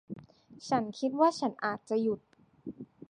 ฉันคิดว่าฉันอาจจะหยุด